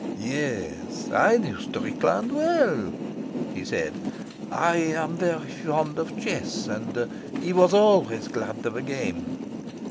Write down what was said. "Yes; I knew Strickland well," he said. "I am very fond of chess, and he was always glad of a game.